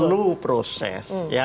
nah itulah memang perlu proses